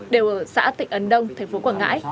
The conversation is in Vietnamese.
đều ở xã tịnh ấn đông thành phố quảng ngãi